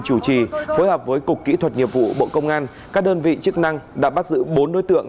chủ trì phối hợp với cục kỹ thuật nghiệp vụ bộ công an các đơn vị chức năng đã bắt giữ bốn đối tượng